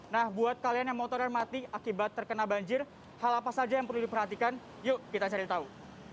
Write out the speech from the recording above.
nah buat kalian yang motornya mati akibat terkena banjir hal apa saja yang perlu diperhatikan yuk kita cari tahu